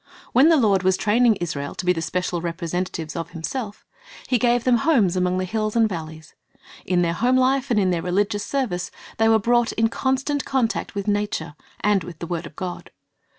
When the Lord was training Israel to be the special representatives of Himself, He gave them homes among the hills and valleys. In their home life and their religious service they were brought in constant contact with nature and with the word of God.